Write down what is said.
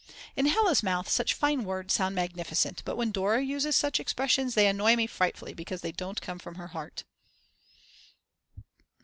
In Hella's mouth such fine words sound magnificent, but when Dora uses such expressions they annoy me frightfully because they don't come from her heart.